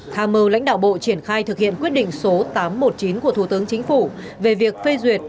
tham mưu lãnh đạo bộ triển khai thực hiện quyết định số tám trăm một mươi chín của thủ tướng chính phủ về việc phê duyệt